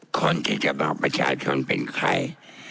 คนที่จะบอกประชาชนเป็นใคร